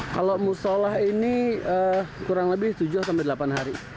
kalau musola ini kurang lebih tujuh delapan hari